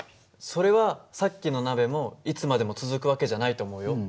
それはさっきの鍋もいつまでも続く訳じゃないと思うよ。